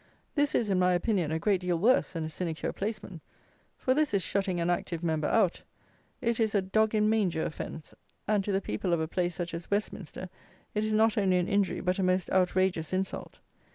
This is, in my opinion, a great deal worse than a sinecure placeman; for this is shutting an active Member out. It is a dog in manger offence; and, to the people of a place such as Westminster, it is not only an injury, but a most outrageous insult.